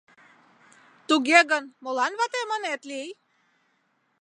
Туге гын, молан ватем ынет лий?